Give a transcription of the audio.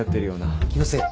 気のせい。